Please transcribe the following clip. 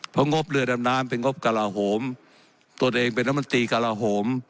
เพราะงบเรือดำน้ำเป็นงบกระลาโหมตนเองเป็นรัฐมนตรีกระลาโหม